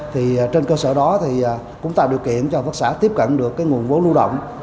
thì trên cơ sở đó thì cũng tạo điều kiện cho hợp tác xã tiếp cận được nguồn vốn lưu động